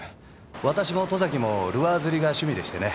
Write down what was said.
私も外崎もルアー釣りが趣味でしてね。